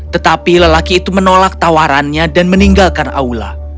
tetapi lelaki itu menolak tawarannya dan meninggalkan aula